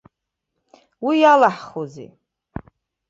Уи иалаҳхузеи.